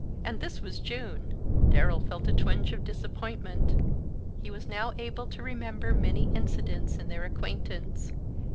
And this was June! Darrell felt a twinge of disappointment. He was now able to remember many incidents in their acquaintance.